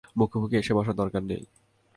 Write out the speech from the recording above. মুখোমুখি এসে বসার দরকার নেই।